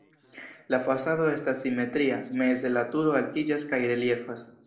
La fasado estas simetria, meze la turo altiĝas kaj reliefas.